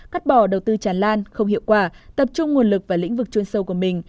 cắt bỏ đầu tư tràn lan không hiệu quả tập trung nguồn lực và lĩnh vực chuyên sâu của mình